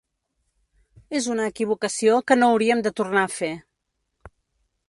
És una equivocació que no hauríem de tornar a fer.